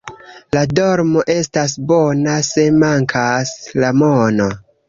La dorm' estas bona, se mankas la mono.